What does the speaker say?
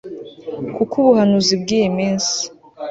kuko ubuhanuzi bw'iyi minsi